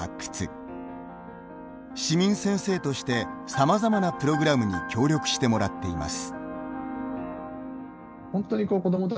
市民先生としてさまざまなプログラムに協力してもらっています。